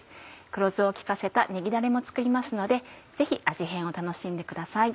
黒酢を利かせたねぎだれも作りますのでぜひ味変を楽しんでください。